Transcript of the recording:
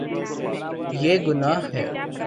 یے گناہ ہے